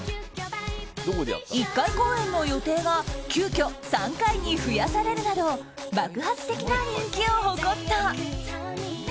１回公演の予定が急きょ３回に増やされるなど爆発的な人気を誇った。